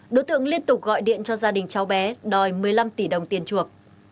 đối tượng liên tục gọi điện cho gia đình cháu bé đòi một mươi năm tỷ đồng tiền chuộc